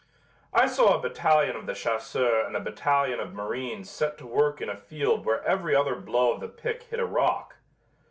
I saw a battalion of the chasseurs and a battalion of marines set to work in a field where every other blow of the pick hit a rock.